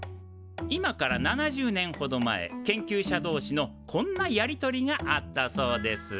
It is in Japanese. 今から７０年ほど前研究者同士のこんなやり取りがあったそうです。